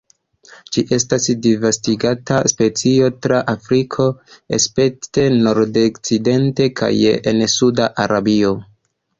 Ĝi estas disvastigata specio tra Afriko, escepte nordokcidente kaj en suda Arabio.